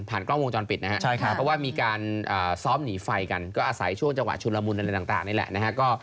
ผ่านกล้องวงจอลปิดนะครับค่ะเพราะว่ามีการซ้อมหนีไฟกันอาศัยช่วงจังหวะชุนละมุนในลักษณะนี่แหละ